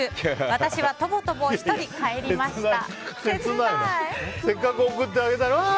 私は、とぼとぼ１人帰りました。